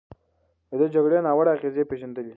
ده د جګړې ناوړه اغېزې پېژندلې.